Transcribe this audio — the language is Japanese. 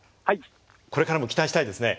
これからも期待したいですね。